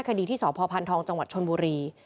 คดีที่สพทจชนบุรี